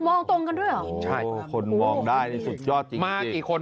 วองตรงกันด้วยเหรอใช่คนได้สุดยอดจริงจริงมากอีกคน